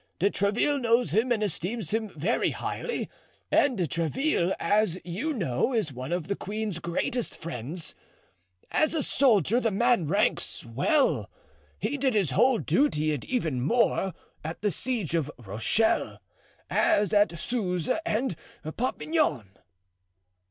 De Tréville knows him and esteems him very highly, and De Tréville, as you know, is one of the queen's greatest friends. As a soldier the man ranks well; he did his whole duty and even more, at the siege of Rochelle—as at Suze and Perpignan."